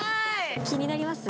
気になります？